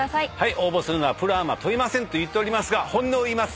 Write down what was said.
応募するのはプロ・アマ問いませんと言っておりますが本音を言います。